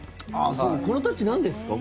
このタッチなんですか？